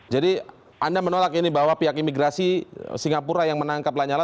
jadi anda menolak ini bahwa pihak imigrasi singapura yang menangkap lanyala